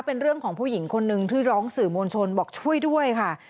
เป็นเรื่องของผู้หญิงคนนึงที่ร้องสื่อมวลชนบอกช่วยด้วยค่ะ